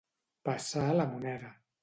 Passar la moneda.